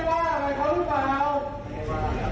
ว่าเขาบอกให้เห็น